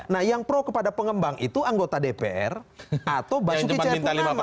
nah yang pro kepada pengembang itu anggota dpr atau basuki cahayapurnama